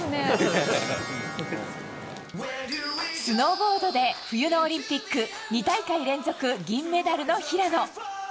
スノーボードで冬のオリンピック２大会連続銀メダルの平野。